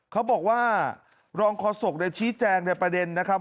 เขาบอกว่ารองโฆษกชี้แจงในประเด็นนะครับ